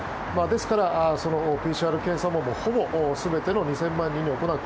ですから、ＰＣＲ検査もほぼ全ての２０００万人に行う。